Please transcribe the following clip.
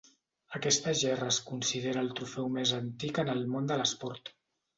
Aquesta gerra es considera el trofeu més antic en el món de l'esport.